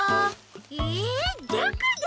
えどこだ？